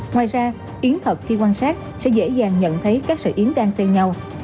ngoài ra yến thật khi quan sát sẽ dễ dàng nhận thấy các sợi yến đang xe nhau